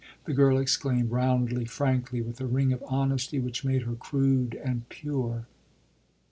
the girl exclaimed roundly, frankly, with a ring of honesty which made her crude and pure.